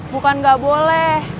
bukan nggak boleh